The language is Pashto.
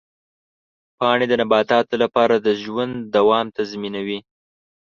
پاڼې د نباتاتو لپاره د ژوند دوام تضمینوي.